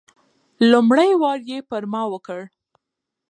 لومړی وار یې پر ما وکړ.